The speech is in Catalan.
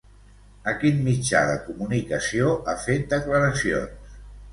A quin mitjà de comunicació ha fet declaracions?